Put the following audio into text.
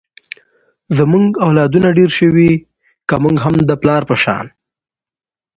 زمونږ اولادونه ډېر شوي ، که مونږ هم د پلار په شان